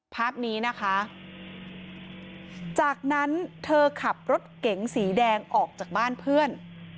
ภาพนี้นะคะจากนั้นเธอขับรถเก๋งสีแดงออกจากบ้านเพื่อน